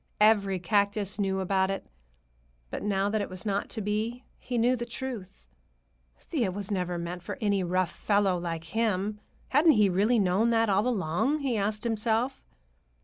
Every cactus knew about it. But now that it was not to be, he knew the truth. Thea was never meant for any rough fellow like him—hadn't he really known that all along, he asked himself?